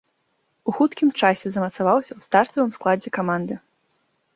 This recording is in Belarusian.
У хуткім часе замацаваўся ў стартавым складзе каманды.